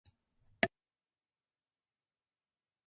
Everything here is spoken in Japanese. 空腹